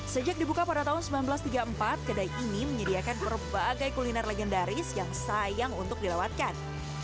sejak dibuka pada tahun seribu sembilan ratus tiga puluh empat kedai ini menyediakan berbagai kuliner legendaris yang sayang untuk dilewatkan